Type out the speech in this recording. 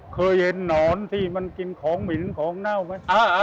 เคยเห็นหนอนที่มันกินของเหม็นของเน่าไหม